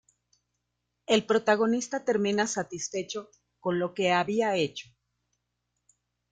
El protagonista termina satisfecho con lo que había hecho.